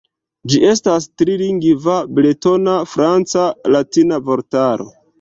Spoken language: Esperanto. Ĝi estas tri-lingva, bretona-franca-latina vortaro.